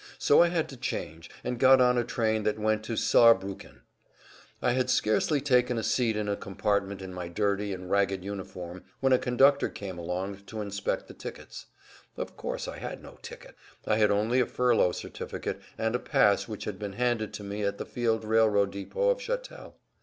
So I had to change, and got on a train that went to Saarbruecken. I had scarcely taken a seat in a compartment in my dirty and ragged uniform when a conductor came along to inspect the tickets. Of course, I had no ticket; I had only a furlough certificate and a pass which had been handed to me at the field railroad depot of Chatel.